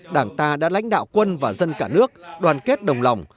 đảng ta đã lãnh đạo quân và dân cả nước đoàn kết đồng lòng